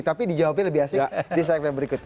tapi dijawabin lebih asik di segmen berikut